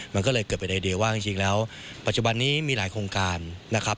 มันก็เลยเกิดเป็นไอเดียว่าจริงแล้วปัจจุบันนี้มีหลายโครงการนะครับ